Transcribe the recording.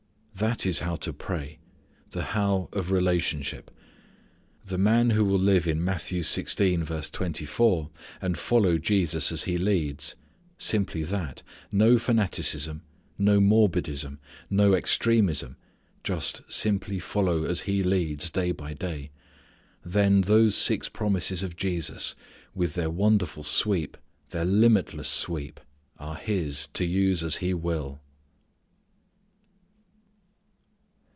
That is how to pray: the how of relationship. The man who will live in Matthew 16:24, and follow Jesus as He leads: simply that: no fanaticism, no morbidism, no extremism, just simply follow as He leads, day by day, then those six promises of Jesus with their wonderful sweep, their limitless sweep are his to use as he will.